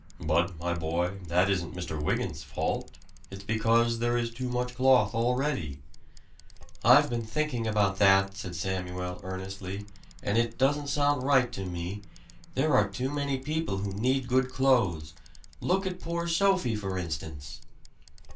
"But, my boy that isn't Mr. Wygant's fault! It's because there is too much cloth already." "I've been thinking about that," said Samuel earnestly. "And it doesn't sound right to me. There are too many people who need good clothes. Look at poor Sophie, for instance!"